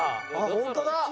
本当だ。